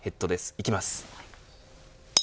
いきます。